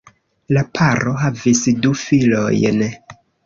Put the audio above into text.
La paro havis du filojn.